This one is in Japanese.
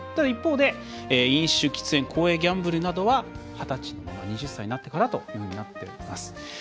一方で、飲酒、喫煙公営ギャンブルなどは二十歳、２０歳になってからとなっております。